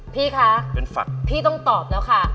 พี่คะพี่ต้องตอบแล้วค่ะ